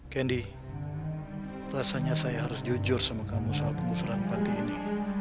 kendi rasanya saya harus jujur sama kamu soal pengusuran pati ini